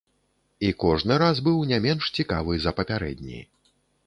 І кожны раз быў не менш цікавы за папярэдні.